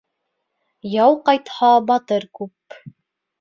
Яу ҡайтһа, батыр күп.